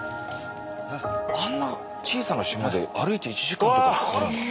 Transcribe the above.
あんな小さな島で歩いて１時間とかかかるんだ。